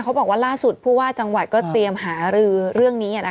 บอกว่าล่าสุดผู้ว่าจังหวัดก็เตรียมหารือเรื่องนี้